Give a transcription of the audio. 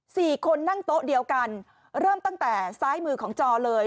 สี่คนนั่งโต๊ะเดียวกันเริ่มตั้งแต่ซ้ายมือของจอเลย